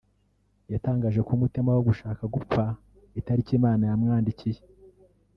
yatangaje ko umutima wo gushaka gupfa itariki Imana yamwandikiye